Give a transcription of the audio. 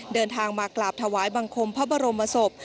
เดินทางมากราบถวายบังคมพระบรมศพ